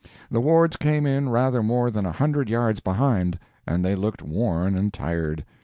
The Wards came in rather more than a hundred yards behind—and they looked worn and tired.